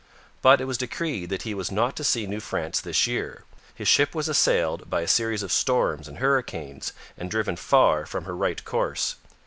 But it was decreed that he was not to see New France this year. His ship was assailed by a series of storms and hurricanes and driven far from her right course.